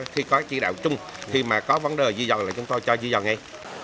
khi có chỉ đạo chung khi mà có vấn đề di dời là chúng tôi cho di dời ngay